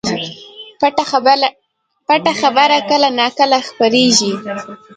پټه خبره کله نا کله خپرېږي